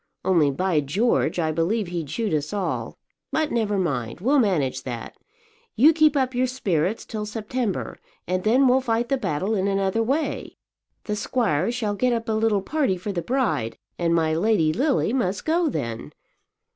Only, by George, I believe he'd shoot us all. But never mind; we'll manage that. You keep up your spirits till September, and then we'll fight the battle in another way. The squire shall get up a little party for the bride, and my lady Lily must go then.